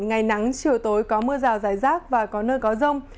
ngày nắng chiều tối có mưa rào rải rác và có nơi có rông